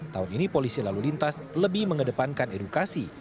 tahun ini polisi lalu lintas lebih mengedepankan edukasi